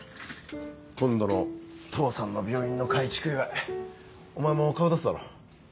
今度の父さんの病院の改築祝いお前も顔出すだろ？